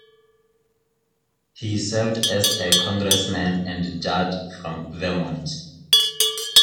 He served as a congressman and judge from Vermont.